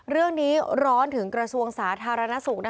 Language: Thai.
เรื่องนี้ร้อนถึงกระทรวงสาธารณสุข